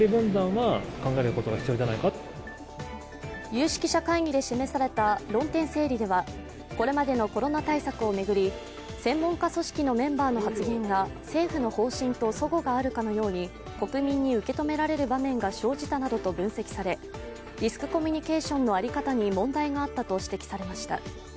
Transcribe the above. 有識者会議で示された論点整理では、これまでのコロナ対策を巡り、専門家組織のメンバーの発言が政府の方針とそごがあるかのように国民に受け止められる場面が生じたなどと分析されリスクコミュニケーションの在り方に問題があったと指摘されました。